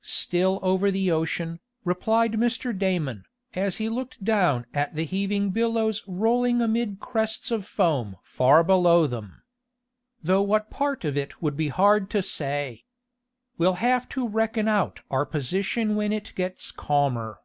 "Still over the ocean," replied Mr. Damon, as he looked down at the heaving billows rolling amid crests of foam far below them. "Though what part of it would be hard to say. We'll have to reckon out our position when it gets calmer."